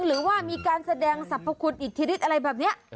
หรือว่ามีการแสดงสรรพคุณอิทธิฤทธิอะไรแบบนี้